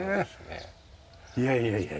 いやいやいやいや。